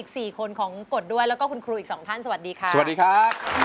สวัสดีค่ะ